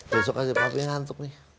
besok aja tapi ngantuk nih